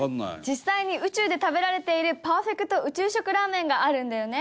実際に宇宙で食べられているパーフェクト宇宙食ラーメンがあるんだよね？